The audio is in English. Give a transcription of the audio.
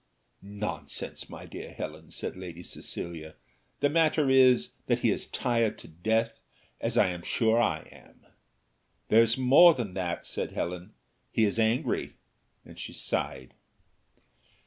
"Nonsense, my dear Helen," said Lady Cecilia; "the matter is, that he is tired to death, as I am sure I am." "There's more than that," said Helen, "he is angry," and she sighed.